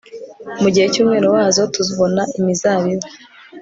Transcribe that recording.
Mu gihe cyumwero wazo tubona imizabibu